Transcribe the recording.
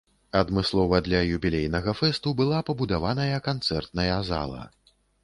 Адмыслова для юбілейнага фэсту была пабудаваная канцэртная зала.